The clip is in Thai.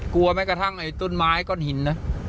กลัวไหมกระทั่งไอ้ต้นไม้ก้อนหินนะ